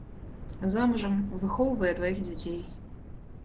Замужам, выхоўвае дваіх дзяцей.